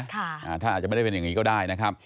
ถ้าอาจจะไม่ได้เป็นอย่างนี้ก็ได้นะครับ